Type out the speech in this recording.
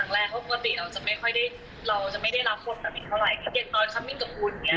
แล้วก็ครั้งแรกเพราะปกติเราจะไม่ค่อยได้